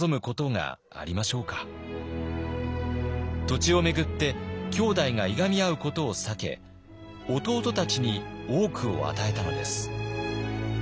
土地を巡って兄弟がいがみ合うことを避け弟たちに多くを与えたのです。